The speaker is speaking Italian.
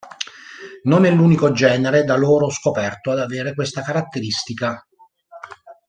Non è l'unico genere da loro scoperto ad avere questa caratteristica.